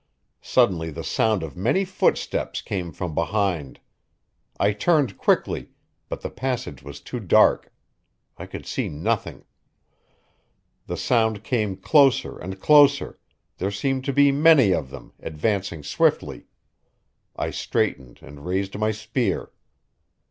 Suddenly the sound of many footsteps came from behind. I turned quickly, but the passage was too dark. I could see nothing. The sound came closer and closer; there seemed to be many of them, advancing swiftly. I straightened and raised my spear.